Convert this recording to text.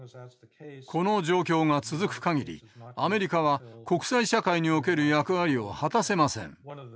この状況が続く限りアメリカは国際社会における役割を果たせません。